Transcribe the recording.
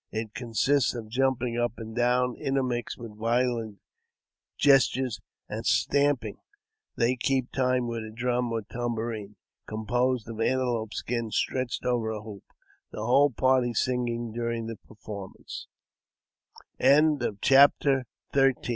It consists of jumping up and down, inter mixed with violent gestures and stamping; they keep time with a drum or tambourine, composed of antelope skin stretched over a hoop, the whole party singing dur